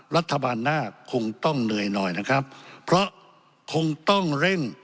รัฐบาลหน้าคงต้องเหนื่อยหน่อยนะครับเพราะคงต้องเร่ง